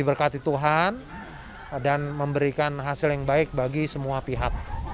diberkati tuhan dan memberikan hasil yang baik bagi semua pihak